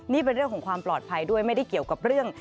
นี่เป็นเรื่องของความปลอดภัยด้วยไม่ได้เกี่ยวกับเรื่อง